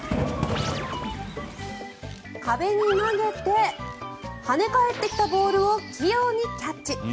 壁に投げて跳ね返ってきたボールを器用にキャッチ。